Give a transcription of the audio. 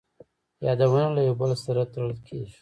یادونه له یو بل سره تړل کېږي.